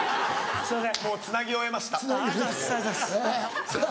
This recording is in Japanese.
すいません。